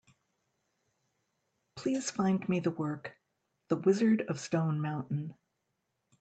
Please find me the work, The Wizard of Stone Mountain.